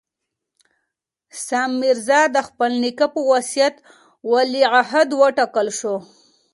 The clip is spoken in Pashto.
سام میرزا د خپل نیکه په وصیت ولیعهد وټاکل شو.